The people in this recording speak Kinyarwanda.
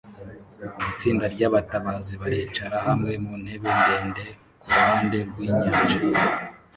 Itsinda ryabatabazi baricara hamwe mu ntebe ndende kuruhande rwinyanja